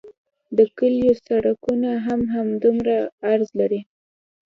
د کلیو سرکونه هم همدومره عرض لري